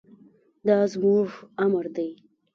دا زموږ امر دی.